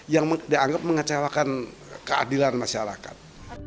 yang dianggap mengecewakan keadilan masyarakat